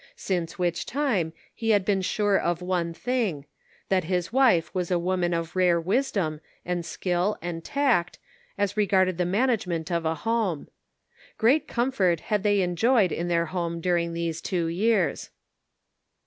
Since which time he had been sure of one thing, that his 404 The Pocket Measure. wife was a woman of rare wisdom and skill and tact, as regarded the management of a home. Great comfort had they enjoyed in their home during these two years.